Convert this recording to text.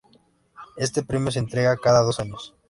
Este premio se entrega cada dos años.